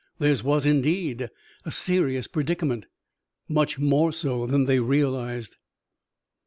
Theirs was, indeed, a serious predicament, much more so than they realized.